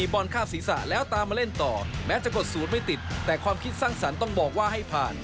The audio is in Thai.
โปรดติดตามต่อไป